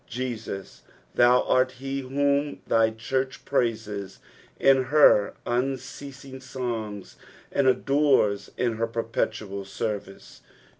Jesus, thou art he whom thy church praieca in her unceasing songs, and adores in her perpetual service.